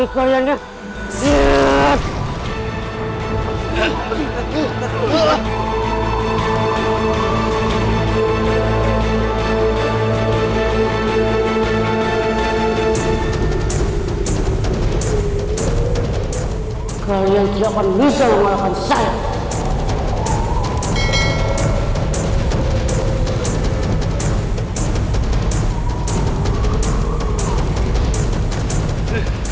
kalian tidak akan bisa mengalahkan saya